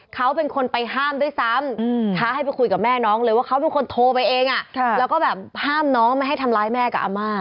เขาเป็นคนไปห้ามด้วยซ้ำท้าให้ไปคุยกับแม่น้องเลยว่าเขาเป็นคนโทรไปเองแล้วก็แบบห้ามน้องไม่ให้ทำร้ายแม่กับอาม่า